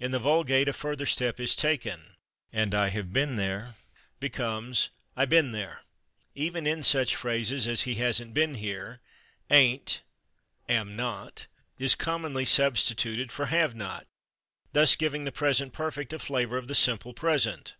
In the vulgate a further step is taken, and "I /have been/ there" becomes "I /been/ there." Even in such phrases as "he /hasn't/ been here," /ain't/ (=/am not/) is commonly substituted for /have not/, thus giving the present perfect a flavor of the simple present.